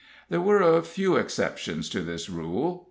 ] There were a few exceptions to this rule.